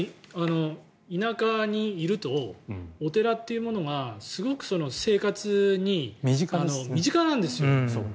田舎にいるとお寺っていうものがすごく生活に身近なんですよ。